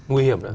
nguy hiểm đó